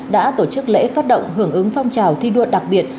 đã tổ chức lễ phát động hưởng ứng phong trào thi đua đặc biệt